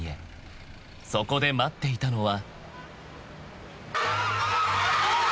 ［そこで待っていたのは］